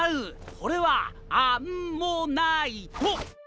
これはアンモナイト！